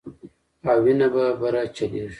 او وينه به بره چليږي